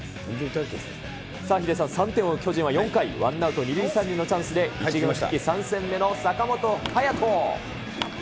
ヒデさん、３点を追う巨人は４回、ワンアウト２塁３塁のチャンスで、１軍復帰３戦目の坂本勇人。